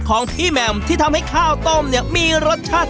ของพี่แหม่มที่ทำให้ข้าวต้มเนี่ยมีรสชาติ